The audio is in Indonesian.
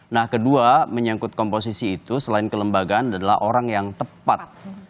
nah kedua menyangkut komposisi itu selain kelembagaan adalah orang yang tepat